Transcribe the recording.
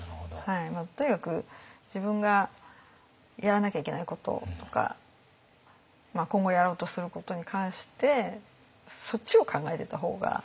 とにかく自分がやらなきゃいけないこととか今後やろうとすることに関してそっちを考えていった方が。